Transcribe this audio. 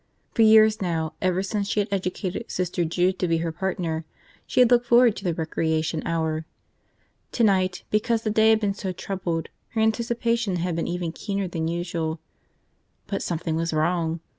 For years now, ever since she had educated Sister Jude to be her partner, she had looked forward to the recreation hour. Tonight, because the day had been so troubled, her anticipation had been even keener than usual. But something was wrong.